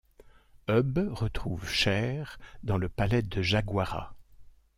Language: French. Hubb retrouve Cher dans le palais de Jaguara.